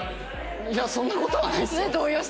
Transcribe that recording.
いやそんな事はないですよ。